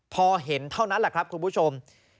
พอเห็นเท่านั้นแหละครับคุณผู้ชม